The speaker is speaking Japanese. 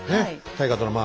大河ドラマ